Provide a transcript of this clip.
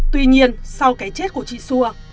tuy nhiên sau cái chết của chị xua